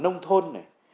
nông thôn này